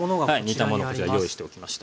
煮たものこちら用意しておきました。